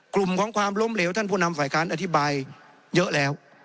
กลุ่มของความล้มเหลวท่านผู้นำฝ่ายค้านอธิบายเยอะแล้ว